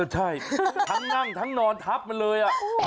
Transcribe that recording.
ใช่ทั้งนั่งทั้งนอนทับมันเลย